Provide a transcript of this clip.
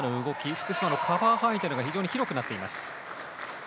福島のカバー範囲が非常に広くなっています。